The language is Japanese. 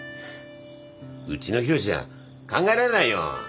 うちの浩志じゃ考えられないよ。